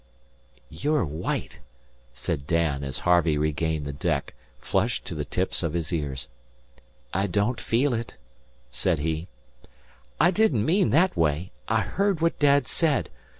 "You're white," said Dan, as Harvey regained the deck, flushed to the tips of his ears. "I don't feel it," said he. "I didn't mean that way. I heard what Dad said.